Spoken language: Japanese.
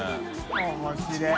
面白い。